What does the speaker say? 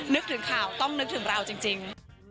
นึกถึงข่าวต้องนึกถึงเราจริง